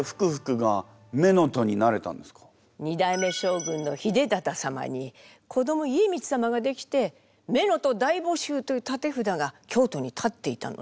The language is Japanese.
まず二代目将軍の秀忠様に子ども家光様ができて「乳母大募集」という立て札が京都に立っていたのね。